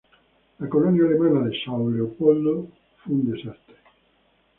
La colonia alemana de São Leopoldo fue un desastre.